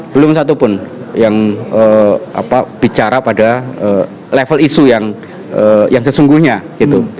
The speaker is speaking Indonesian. belum satu pun yang bicara pada level isu yang sesungguhnya gitu